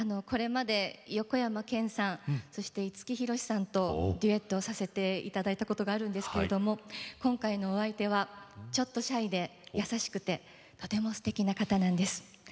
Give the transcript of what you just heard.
これまで横山剣さんそして五木ひろしさんとデュエットをさせて頂いたことがあるんですけれども今回のお相手はちょっとシャイで優しくてとてもすてきな方なんです。